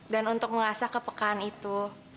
untuk mengasah kepekaan itu